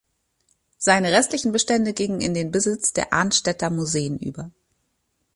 Seine restlichen Bestände gingen in den Besitz der Arnstädter Museen über.